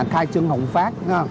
khai trương hùng phát